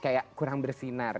akan jadi kayak kurang bersinar